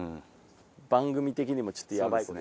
番組的にもちょっとヤバいですね。